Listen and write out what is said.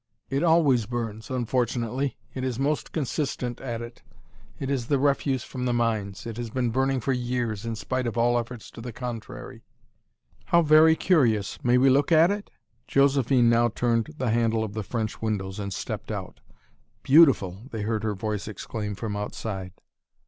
"It always burns, unfortunately it is most consistent at it. It is the refuse from the mines. It has been burning for years, in spite of all efforts to the contrary." "How very curious! May we look at it?" Josephine now turned the handle of the French windows, and stepped out. "Beautiful!" they heard her voice exclaim from outside.